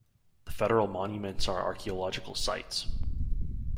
The federal monuments are archaeological sites.